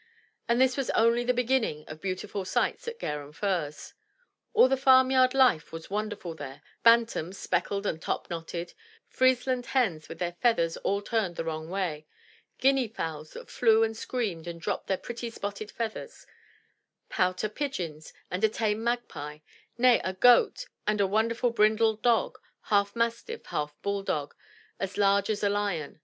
And this was only the beginning of beautiful sights at Garum Firs. All the farmyard life was wonderful there, — bantams speckled and top knotted; Friesland hens with their feathers all turned the wrong way; Guinea fowls that flew and screamed and dropped their pretty spotted feathers; pouter pigeons and a tame magpie; nay, a goat and a wonderful brindled dog, half mastiff, half bull dog, as large as a lion.